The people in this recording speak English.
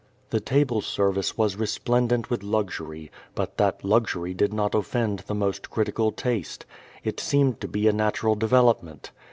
The table service was resplendent with luxury, but that luxury did not offend the most critical taste. It seemed to be a natural development.